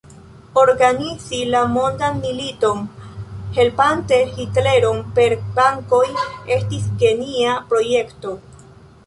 Organizi la mondan militon, helpante Hitleron per bankoj estis genia projekto.